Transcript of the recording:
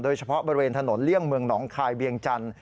โดยเฉพาะบริเวณถนนเลี่ยงเมืองหนองคายเวียงจันทร์